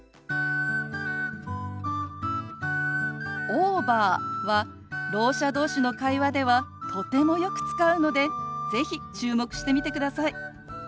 「オーバー」はろう者同士の会話ではとてもよく使うので是非注目してみてください。